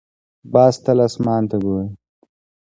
باز تل اسمان ته ګوري